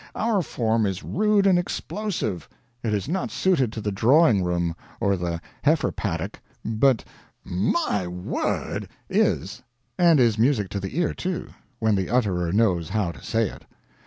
Our form is rude and explosive; it is not suited to the drawing room or the heifer paddock; but "M y word!" is, and is music to the ear, too, when the utterer knows how to say it.